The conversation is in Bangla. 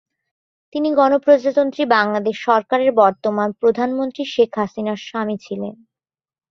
তিনি গণপ্রজাতন্ত্রী বাংলাদেশ সরকারের বর্তমান প্রধানমন্ত্রী শেখ হাসিনার স্বামী ছিলেন।